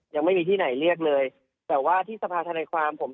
ยังไม่มีที่ไหนเรียกเลยแต่ว่าที่สภาธนาความผม